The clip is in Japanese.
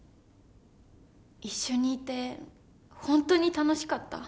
一緒にいて本当に楽しかった。